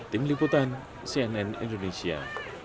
tim liputan cnn indonesia